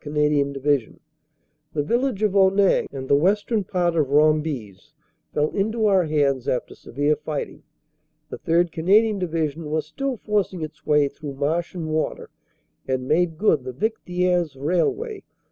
Canadian Division. The village of Onnaing and the western part of Rombies fell into our hands after severe fighting. The 3rd. Canadian Division was still forcing its way through marsh and water, and made good the Vicq Thiers railway.